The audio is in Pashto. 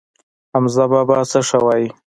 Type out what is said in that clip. حمزه بابا څه ښه وايي.